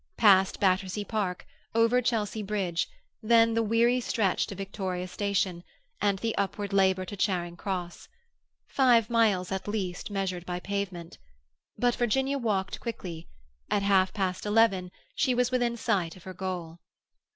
Past Battersea Park, over Chelsea Bridge, then the weary stretch to Victoria Station, and the upward labour to Charing Cross. Five miles, at least, measured by pavement. But Virginia walked quickly; at half past eleven she was within sight of her goal.